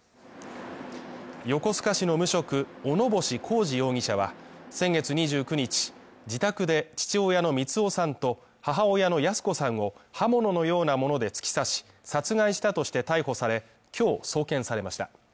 横須賀市の無職小野星浩志容疑者は、先月２９日、自宅で父親の三男さんと母親の泰子さんを刃物のようなもので突き刺し殺害したとして逮捕され、今日送検されました。